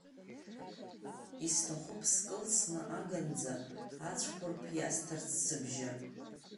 Исҭахуп скылсны аганӡа, ацәқәырԥ иасҭар сыбжьы!